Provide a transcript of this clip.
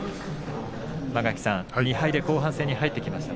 間垣さん２敗で後半戦に入ってきました。